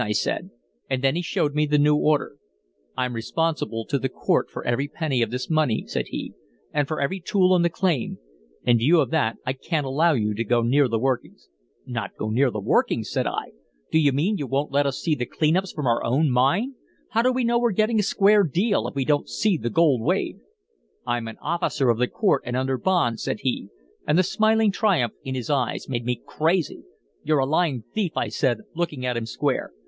I said. And then he showed me the new order. "'I'm responsible to the court for every penny of this money,' said he, 'and for every tool on the claim. In view of that I can't allow you to go near the workings.' "'Not go near the workings?' said I. 'Do you mean you won't let us see the clean ups from our own mine? How do we know we're getting a square deal if we don't see the gold weighed?' "'I'm an officer of the court and under bond,' said he, and the smiling triumph in his eyes made me crazy. "'You're a lying thief,' I said, looking at him square.